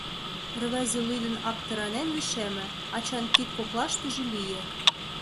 Рвезе лӱдын-аптыранен лишеме, ачан кид коклаштыже лие.